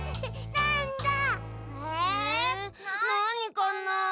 なにかな？